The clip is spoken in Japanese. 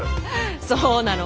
そうなの。